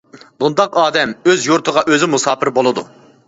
بۇنداق ئادەم ئۆز يۇرتىغا ئۆزى مۇساپىر بولىدۇ.